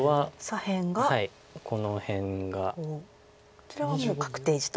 こちらはもう確定地と。